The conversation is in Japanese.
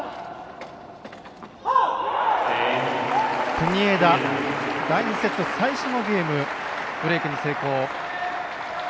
国枝、第２セット最初のゲームブレークに成功。